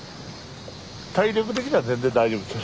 体力的には全然大丈夫です。